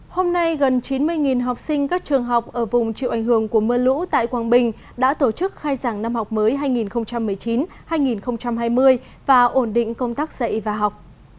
hôm nay gần chín mươi học sinh các trường học ở vùng chịu ảnh hưởng của mưa lũ tại quảng bình đã tổ chức khai giảng năm học mới hai nghìn một mươi chín hai nghìn hai mươi và ổn định công tác dạy và học